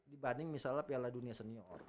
dibanding misalnya piala dunia senior